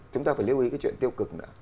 chúng ta phải lưu ý cái chuyện tiêu cực nữa